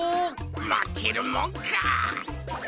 まけるもんか！